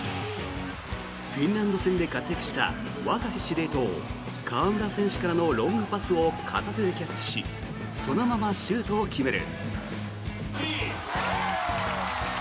フィンランド戦で活躍した若き司令塔河村選手からのロングパスを片手でキャッチしそのままシュートを決める。